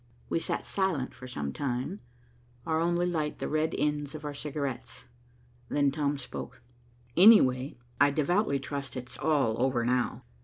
We sat silent for some time, our only light the red ends of our cigars. Then Tom spoke. "Anyway, I devoutly trust it's all over now.